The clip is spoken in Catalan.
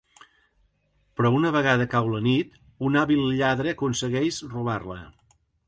Però una vegada cau la nit, un hàbil lladre aconsegueix robar-la.